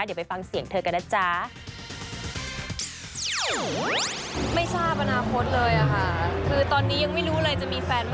เดี๋ยวไปฟังเสียงเธอกันนะจ๊ะ